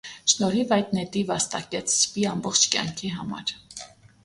Շնորհիվ այդ նետի վաստակեց սպի ամբողջ կյանքի համար։